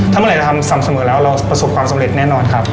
ถ้าเมื่อไหร่เราทำสม่ำเสมอแล้วเราประสบความสำเร็จแน่นอนครับ